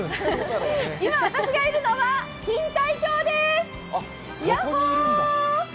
今、私がいるのは錦帯橋です、ヤッホー！